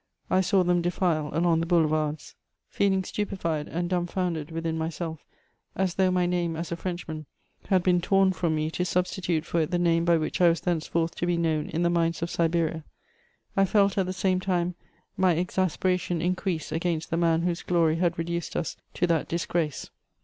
I saw them defile along the boulevards. Feeling stupefied and dumfoundered within myself, as though my name as a Frenchman had been tom from me to substitute for it the name by which I was thenceforth to be known in the mines of Siberia, I felt, at the same time, my exasperation increase against the man whose glory had reduced us to that disgrace.